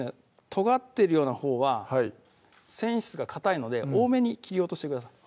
とがってるようなほうは繊維質がかたいので多めに切り落としてください